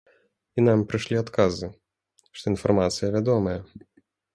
І нам прыйшлі адказы, што інфармацыя вядомая.